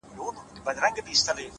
نو دا په ما باندي چا كوډي كړي!!